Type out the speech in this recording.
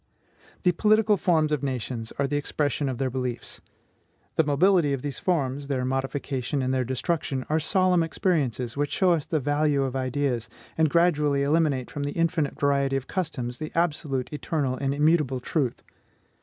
The political forms of nations are the expression of their beliefs. The mobility of these forms, their modification and their destruction, are solemn experiences which show us the value of ideas, and gradually eliminate from the infinite variety of customs the absolute, eternal, and immutable truth.